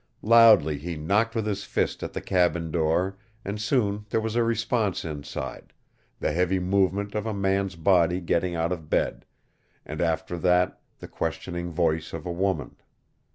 Loudly he knocked with his fist at the cabin door and soon there was a response inside, the heavy movement of a man's body getting out of bed, and after that the questioning voice of a woman.